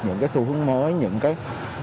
những cái xu hướng mới những cái